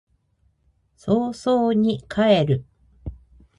早々に帰る